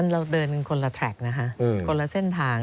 เราเดินคนละแทรกคนละเส้นทาง